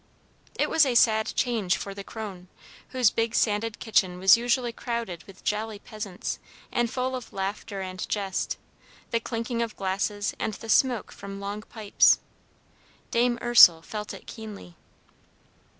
It was a sad change for the Kröne, whose big sanded kitchen was usually crowded with jolly peasants, and full of laughter and jest, the clinking of glasses, and the smoke from long pipes. Dame Ursel felt it keenly.